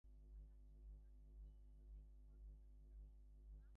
During that time the location on Rugby Road was sold.